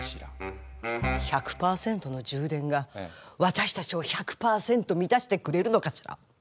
１００％の充電が私たちを１００％満たしてくれるのかしら。